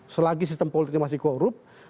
selagi sistem politik masih korup